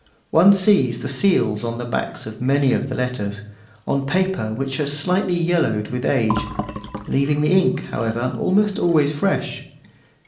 One still sees the seals on the backs of many of the letters, on paper which has slightly yellowed with age, leaving the ink, however, almost always fresh.